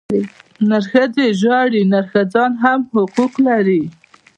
نرښځی ژاړي، نرښځيان هم حقوق لري.